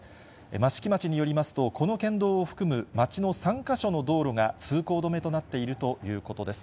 益城町によりますと、この県道を含む町の３か所の道路が通行止めとなっているということです。